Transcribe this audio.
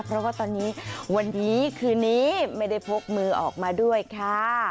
เพราะว่าตอนนี้วันนี้คืนนี้ไม่ได้พกมือออกมาด้วยค่ะ